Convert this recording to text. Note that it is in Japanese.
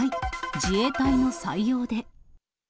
自衛隊の採用で。